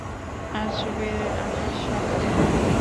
আসবে আমার সাথে?